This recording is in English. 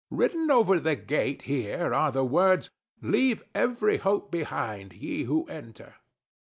Written over the gate here are the words "Leave every hope behind, ye who enter."